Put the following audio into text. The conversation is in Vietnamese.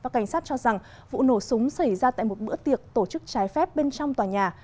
cảnh sát cho rằng vụ nổ súng xảy ra tại một bữa tiệc tổ chức trái phép bên trong tòa nhà